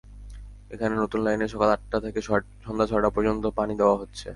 এখন নতুন লাইনে সকাল আটটা থেকে সন্ধ্যা ছয়টা পর্যন্ত পানি দেওয়া হচ্ছে।